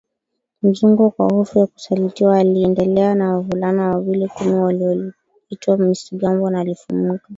Mzungwa kwa hofu ya kusalitiwaAliendelea na wavulana wawili tu walioitwa Musigombo na Lifumika